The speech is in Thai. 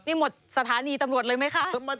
นี่หมดสถานีตำรวจเลยไหมคะ